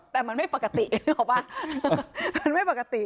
แต่มันไม่ปกติ